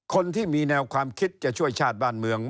คนที่มีแนวความคิดจะช่วยชาติบ้านเมือง